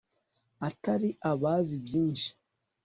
atari abazi byinshi